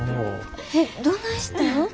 えっどないしたん？